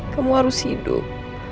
kamu harus hidup